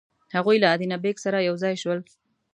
هغوی له ادینه بېګ سره یو ځای شول.